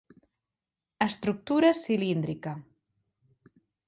Estructura cilíndrica.